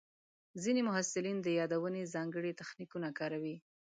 ځینې محصلین د یادونې ځانګړي تخنیکونه کاروي.